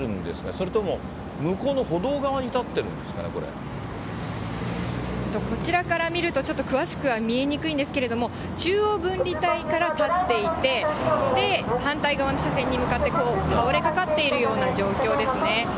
それとも向こうの歩道側に立っているんですかね、こちらから見ると、ちょっと詳しくは見えにくいんですけれども、中央分離帯から立っていて、反対側の車線に向かって、倒れかかっているような状況ですね。